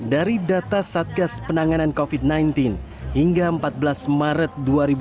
dari data satgas penanganan covid sembilan belas hingga empat belas maret dua ribu dua puluh